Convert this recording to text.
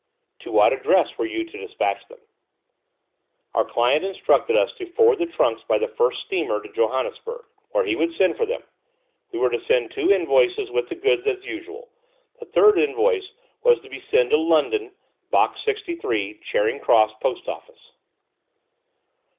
"To what address were you to despatch them?" "Our client instructed us to forward the trunks by the first steamer to Johannesburg, where he would send for them; we were to send two invoices with the goods as usual; the third invoice was to be sent to London, Box 63, Charing Cross Post Office."